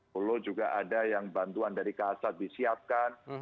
pulau juga ada yang bantuan dari kasat disiapkan